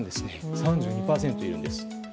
３２％いるんです。